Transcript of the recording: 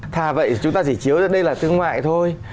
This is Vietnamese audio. thà vậy chúng ta chỉ chiếu ra đây là thương mại thôi